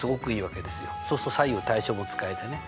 そうすると左右対称も使えてね。